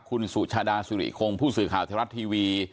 คุณสุชาดาสุริคงผู้สื่อข่าวไทยรัฐทีวี